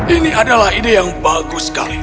ini adalah ide yang bagus sekali